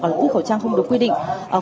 ở lúc khẩu trang không được quy định